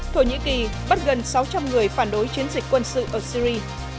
thổ nhĩ kỳ bắt gần sáu trăm linh người phản đối chiến dịch quân sự ở syri